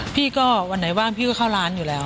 พี่ก็วันไหนว่างพี่ก็เข้าร้านอยู่แล้ว